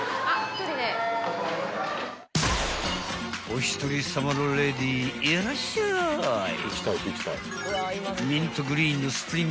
［お一人さまのレディーいらっしゃい］